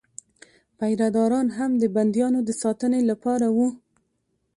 پیره داران هم د بندیانو د ساتنې لپاره وو.